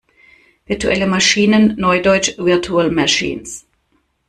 Virtuelle Maschinen, neudeutsch Virtual Machines.